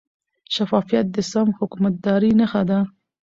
شفافیت د سم حکومتدارۍ نښه ده.